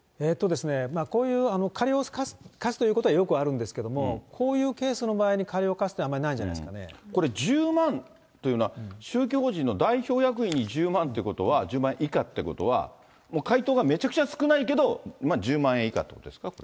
こういう過料を科すということは、よくあるんですけども、こういうケースの場合に過料を科すというのはあまりないんじゃなこれ、１０万というのは、宗教法人の代表役員に１０万っていうことは、１０万円以下ってことは、回答がめちゃくちゃ少ないけど、まあ、１０万円以下っていうことですか？